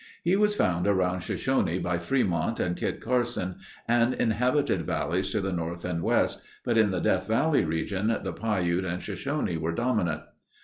He was found around Shoshone by Fremont and Kit Carson and inhabited valleys to the north and west, but in the Death Valley region the Piute and Shoshone were dominant.